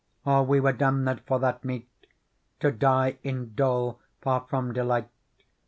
All we were damnM for that meat, To die in dole, far from delight.